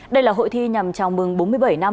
đây là hội thi nhằm chào mừng bốn mươi bảy năm